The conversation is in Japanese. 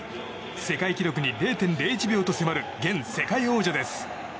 世界記録の０．０１秒と迫る元世界王者です。